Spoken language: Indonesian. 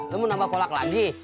lo mau nambah kolak lagi